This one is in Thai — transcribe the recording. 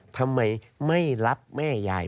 ทำไมไม่รับแม่ยาย